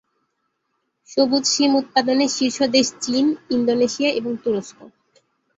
সবুজ শিম উৎপাদনে শীর্ষ দেশ চীন, ইন্দোনেশিয়া এবং তুরস্ক।